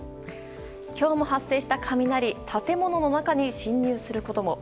今日も発生した雷建物の中に侵入することも。